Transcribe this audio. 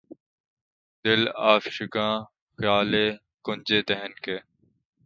دل آشفتگاں خالِ کنجِ دہن کے